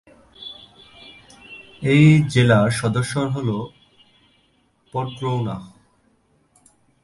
এই জেলার সদর শহর হল পডরৌনা।